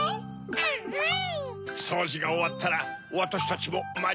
アンアン！